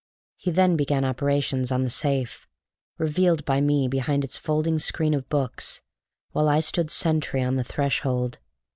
He then began operations on the safe, revealed by me behind its folding screen of books, while I stood sentry on the threshold.